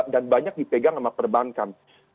dan banyak dipegang sama perbankan